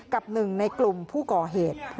กับหนึ่งในกลุ่มผู้ก่อเหตุ